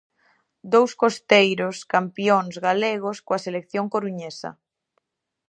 Dous costeiros, campións galegos coa selección coruñesa.